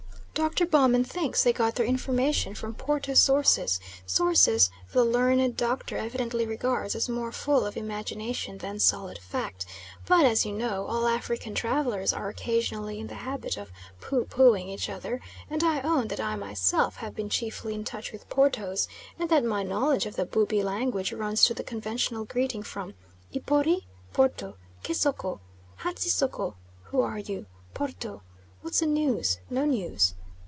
Dr. Baumann thinks they got their information from Porto sources sources the learned Doctor evidently regards as more full of imagination than solid fact, but, as you know, all African travellers are occasionally in the habit of pooh poohing each other, and I own that I myself have been chiefly in touch with Portos, and that my knowledge of the Bubi language runs to the conventional greeting form: "Ipori?" "Porto." "Ke Soko?'" "Hatsi soko": "Who are you?" "Porto." "What's the news?" "No news."